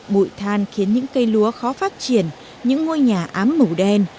bụi than khiến những cây lúa khó phát triển những ngôi nhà ám màu đen